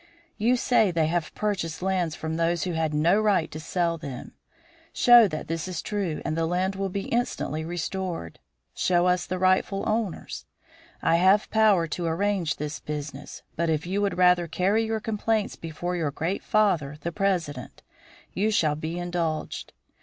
You say they have purchased lands from those who had no right to sell them. Show that this is true and the land will be instantly restored. Show us the rightful owners. I have full power to arrange this business; but if you would rather carry your complaints before your great father, the President, you shall be indulged.